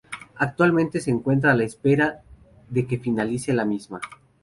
Actualmente se encuentra a la espera de que finalice la misma.